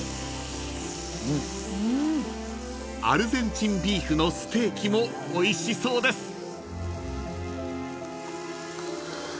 ［アルゼンチンビーフのステーキもおいしそうです］